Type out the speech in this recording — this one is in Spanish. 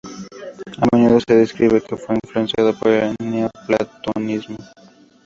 A menudo se describe que fue influenciado por el neoplatonismo.